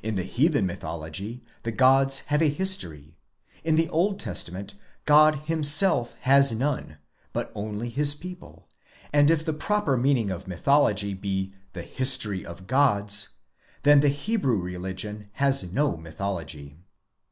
In the heathen mythology the gods have a history: in the Old Testament, God himself has none, but only his people: and if the proper meaning of mytho logy be the history of gods, then the Hebrew religion has no mythology.